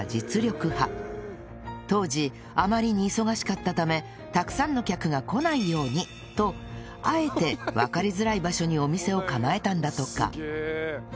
当時あまりに忙しかったためたくさんの客が来ないようにとあえてわかりづらい場所にお店を構えたんだとか